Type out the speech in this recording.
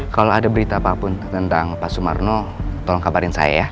kalau ada berita apapun tentang pak sumarno tolong kabarin saya ya